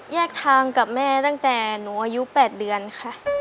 แยกทางกับแม่ตั้งแต่หนูอายุ๘เดือนค่ะ